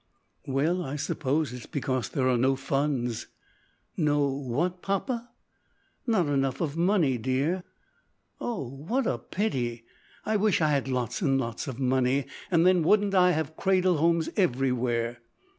"Well, I suppose, it is because there are no funds." "No what? papa." "Not enough of money, dear." "Oh! what a pity! I wish I had lots and lots of money, and then wouldn't I have Cradle Homes everywhere?"